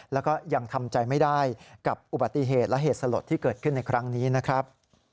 แล้วก็ยังทำใจไม่ได้กับอุบัติเหตุและเหตุสลดที่เกิดขึ้นในครั้งนี้นะครับ